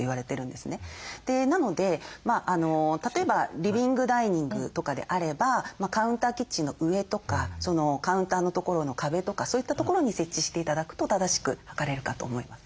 なので例えばリビングダイニングとかであればカウンターキッチンの上とかカウンターの所の壁とかそういった所に設置して頂くと正しく計れるかと思います。